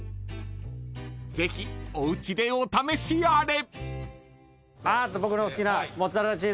［ぜひおうちでお試しあれ］